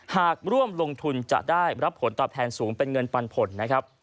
หากร่วมลงทุนจะได้รับผลตอบแทนสูงเป็นเงินปันผลนะครับ